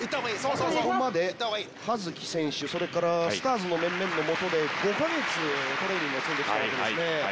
ここまで葉月選手それからＳＴＡＲＳの面々の下で５か月トレーニングを積んで来たわけですね。